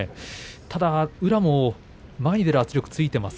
宇良も前に出る圧力がついています。